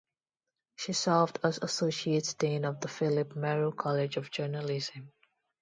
She served as associate dean of the Philip Merrill College of Journalism.